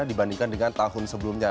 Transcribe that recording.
dibandingkan dengan tahun sebelumnya